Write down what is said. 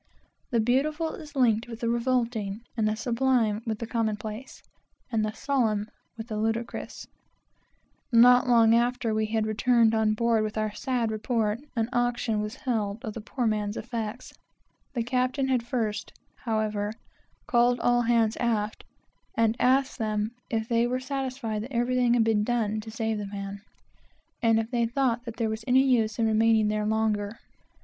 The beautiful is linked with the revolting, the sublime with the commonplace, and the solemn with the ludicrous. We had hardly returned on board with our sad report, before an auction was held of the poor man's clothes. The captain had first, however, called all hands aft and asked them if they were satisfied that everything had been done to save the man, and if they thought there was any use in remaining there longer.